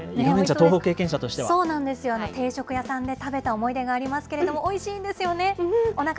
そうなんですよ、定食屋さんで食べた思い出がありますけれども、おいしいんですよね。